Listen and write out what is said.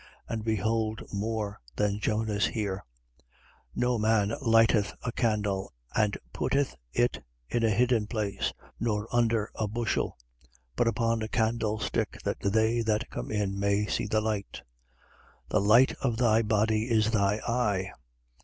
And behold more than Jonas here. 11:33. No man lighteth a candle and putteth it in a hidden place, nor under a bushel: but upon a candlestick, that they that come in may see the light. 11:34. The light of thy body is thy eye.